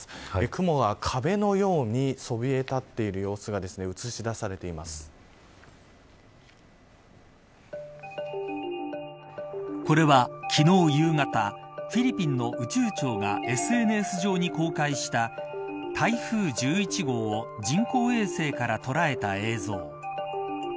雲が、壁のようにそびえ立っている様子がこれは昨日、夕方フィリピンの宇宙庁がＳＮＳ上に公開した台風１１号を人工衛星から捉えた映像。